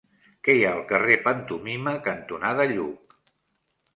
Què hi ha al carrer Pantomima cantonada Lluc?